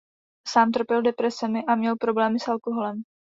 Sám trpěl depresemi a měl problémy s alkoholem.